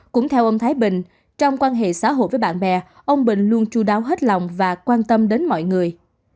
cũng theo ông thái bình trong quan hệ xã hội với bạn bè ông bình luôn chú đáo hết lòng và quan tâm đến mọi người